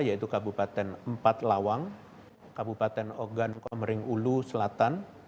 yaitu kabupaten empat lawang kabupaten ogan komering ulu selatan